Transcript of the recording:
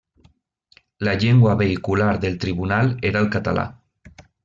La llengua vehicular del Tribunal era el català.